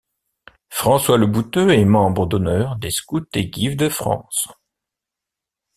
François Lebouteux est membre d’honneur des Scouts et guides de France.